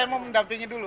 saya mau mendampingi dulu